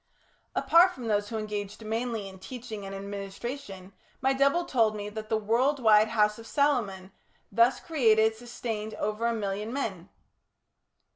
Apart from those who engaged mainly in teaching and administration, my double told me that the world wide House of Saloman [Footnote: The New Atlantis.] thus created sustained over a million men.